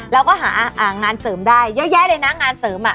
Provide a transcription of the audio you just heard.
เราก็หางานเสริมได้เยอะแยะเลยนะงานเสริม